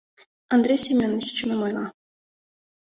Андрей Семёныч чыным ойла.